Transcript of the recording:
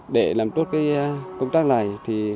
để làm tốt công tác này